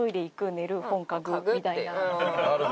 なるほど。